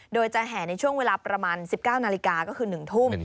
โดยจะแห่ในช่วงเวลาประมาณ๑๙นาฬิกาก็คือ๑ทุ่ม